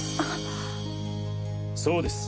そうです。